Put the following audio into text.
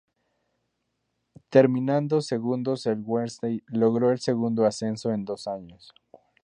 Terminando segundos el Guernsey logró el segundo ascenso en dos años.